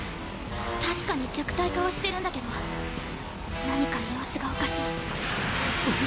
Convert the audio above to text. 確かに弱体化はしてるんだけど何か様子がおかしい。